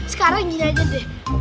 sekarang gini aja deh